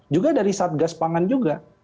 juga dari saat gas pangan juga